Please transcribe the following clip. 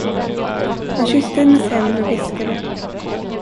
Han kysste hennes händer och viskade.